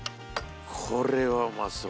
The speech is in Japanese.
これはうまそう。